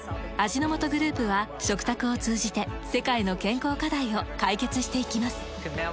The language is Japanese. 味の素グループは食卓を通じて世界の健康課題を解決していきます。